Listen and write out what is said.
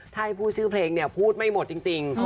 ถ้าให้พูดชื่อเพลงเนี่ยพูดไม่หมดจริง